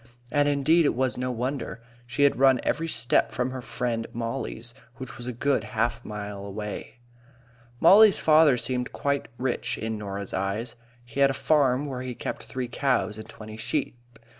And, indeed, it was no wonder. She had run every step from her friend Mollie's, which was a good half mile away. Mollie's father seemed quite rich in Norah's eyes. He had a farm, where he kept three cows and twenty sheep.